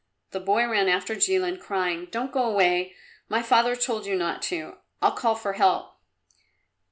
The boy ran after Jilin, crying, "Don't go away! My father told you not to! I'll call for help!"